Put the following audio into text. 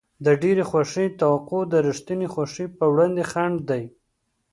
د ډېرې خوښۍ توقع د رښتینې خوښۍ په وړاندې خنډ دی.